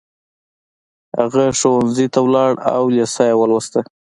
هغه ښوونځي ته لاړ او لېسه يې ولوسته